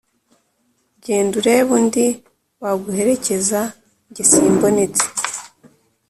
genda urebe undi waguherekeza, jye simbonetse.